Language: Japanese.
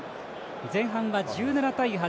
前半は１７対８。